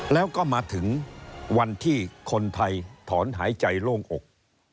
แล้วก็มาถึงวันที่คนไทยถอนหายใจโล่งอก